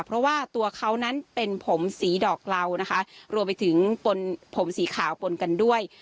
เพราะว่าตัวเขานั้นเป็นผมสีดอกเหล่านะคะรวมไปถึงปนผมสีขาวปนกันด้วย